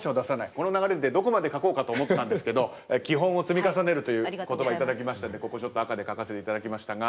この流れでどこまで書こうかと思ったんですけど「基本をつみ重ねる」という言葉頂きましたんでここちょっと赤で書かせて頂きましたが。